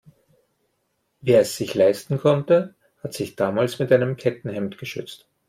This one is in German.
Wer es sich leisten konnte, hat sich damals mit einem Kettenhemd geschützt.